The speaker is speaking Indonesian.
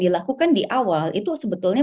dilakukan di awal itu sebetulnya